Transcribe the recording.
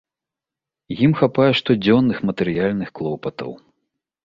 Ім хапае штодзённых матэрыяльных клопатаў.